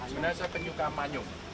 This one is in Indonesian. sebenarnya saya penyuka manyung